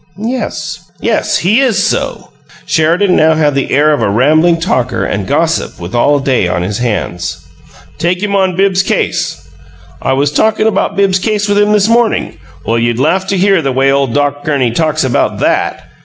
"Yes." "Yes, he is so!" Sheridan now had the air of a rambling talker and gossip with all day on his hands. "Take him on Bibbs's case. I was talkin' about Bibbs's case with him this morning. Well, you'd laugh to hear the way ole Gurney talks about THAT!